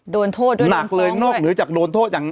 โดนโทษด้วยหนักเลยนอกเหนือจากโดนโทษอย่าง